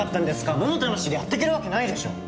桃田なしでやってけるわけないでしょう！